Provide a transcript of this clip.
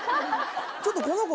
ちょっとこの子。